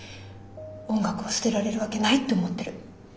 音楽を捨てられるわけないって思ってる。